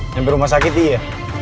nyampe rumah sakit iya